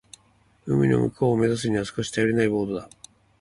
海の向こうを目指すには少し頼りないボートだ。